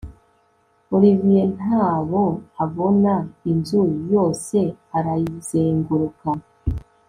Olivier ntabo abona inzu yose arayizenguruka